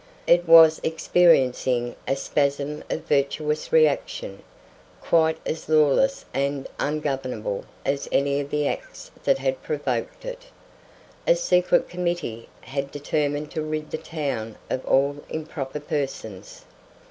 It was experiencing a spasm of virtuous reaction, quite as lawless and ungovernable as any of the acts that had provoked it. A secret committee had determined to rid the town of all improper persons.